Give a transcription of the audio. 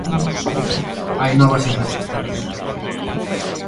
Hai novas infraestruturas.